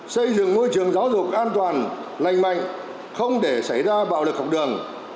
xây dựng môi trường giáo dục an toàn lành mạnh không để xảy ra bạo lực học đường